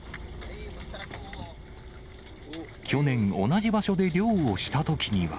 去年、同じ場所で漁をしたときには。